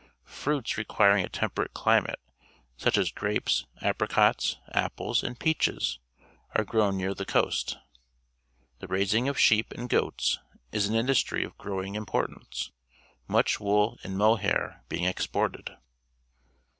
Fruits requiring a temperate climate, such as grapes^ apricots, apples, and peaches, are grown near the coast. The raising of sheep and goats is an industry of growing importance, much wool and mo hair being exported.